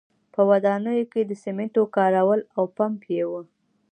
په ودانیو کې د سیمنټو کارول او پمپ یې و